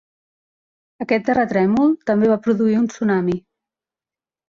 Aquest terratrèmol també va produir un tsunami.